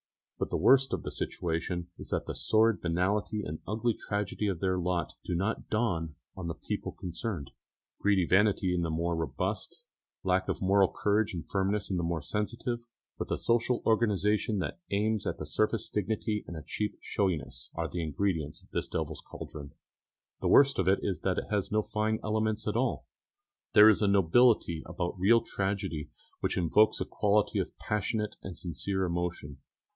But the worst of the situation is that the sordid banality and ugly tragedy of their lot do not dawn on the people concerned. Greedy vanity in the more robust, lack of moral courage and firmness in the more sensitive, with a social organisation that aims at a surface dignity and a cheap showiness, are the ingredients of this devil's cauldron. The worst of it is that it has no fine elements at all. There is a nobility about real tragedy which evokes a quality of passionate and sincere emotion.